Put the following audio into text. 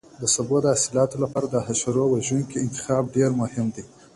د سبو د حاصلاتو لپاره د حشره وژونکو انتخاب ډېر مهم دی.